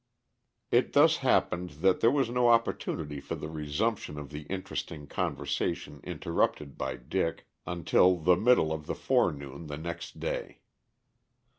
It thus happened that there was no opportunity for the resumption of the interesting conversation interrupted by Dick, until the middle of the forenoon next day.